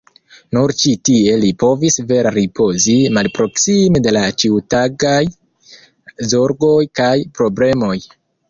Nur ĉi tie li povis vere ripozi, malproksime de la ĉiutagaj zorgoj kaj problemoj.